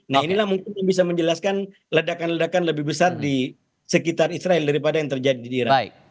nah inilah mungkin yang bisa menjelaskan ledakan ledakan lebih besar di sekitar israel daripada yang terjadi di iran